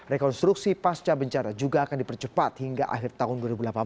rekonstruksi pasca bencana juga akan dipercepat hingga akhir tahun dua ribu delapan belas